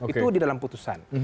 itu di dalam putusan